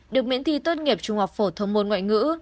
được miễn thi tốt nghiệp trung học phổ thông môn ngoại ngữ